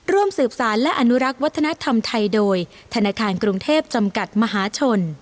ร่วมสืบสารและอนุรักษ์วัฒนธรรมไทยโดยธนาคารกรุงเทพจำกัดมหาชน